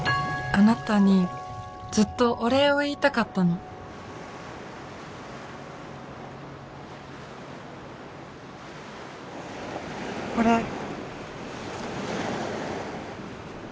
あなたにずっとお礼を言いたかったのこれ。